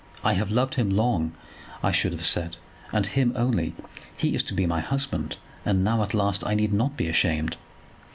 'I have loved him long,' I should have said, 'and him only. He is to be my husband, and now at last I need not be ashamed.'"